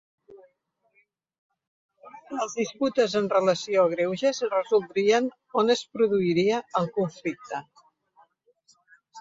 Les disputes en relació a greuges es resoldrien on es produïra el conflicte.